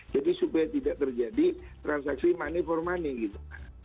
jadi supaya tidak terjadi transaksi money for money gitu